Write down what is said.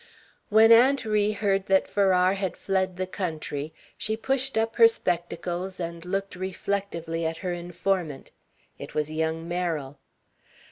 When Aunt Ri heard that Farrar had fled the country, she pushed up her spectacles and looked reflectively at her informant. It was young Merrill.